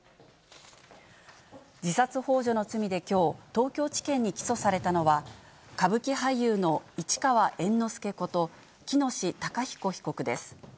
自殺ほう助の罪できょう、東京地検に起訴されたのは、歌舞伎俳優の市川猿之助こと、喜熨斗孝彦被告です。